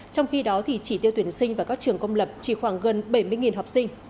trong khi đó chỉ tiêu tuyển sinh vào các trường công lập chỉ khoảng gần bảy mươi học sinh